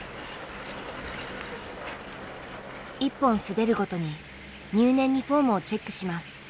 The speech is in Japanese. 一本滑るごとに入念にフォームをチェックします。